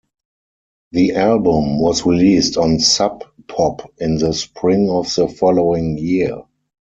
The album was released on Sub Pop in the Spring of the following year.